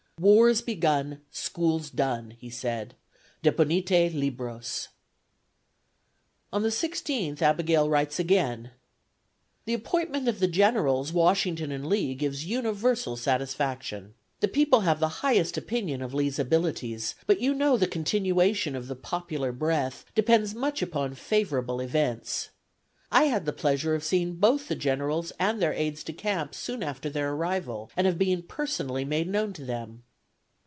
"War's begun, school's done!" he said. "Deponite libros." On the 16th, Abigail writes again: "The appointment of the generals Washington and Lee gives universal satisfaction. The people have the highest opinion of Lee's abilities, but you know the continuation of the popular breath depends much upon favorable events. I had the pleasure of seeing both the generals and their aids de camp soon after their arrival, and of being personally made known to them.